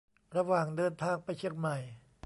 ระหว่างเดินทางไปเชียงใหม่